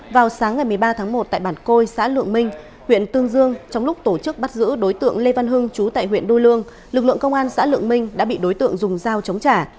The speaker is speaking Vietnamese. vào sáng ngày một mươi ba tháng một tại bản côi xã lượng minh huyện tương dương trong lúc tổ chức bắt giữ đối tượng lê văn hưng chú tại huyện đô lương lực lượng công an xã lượng minh đã bị đối tượng dùng dao chống trả